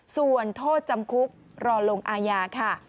ส่วนโทษจำคุกรอลงอาญาค่ะ